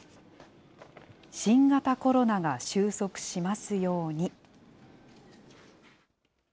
新型コロナが収束しますように。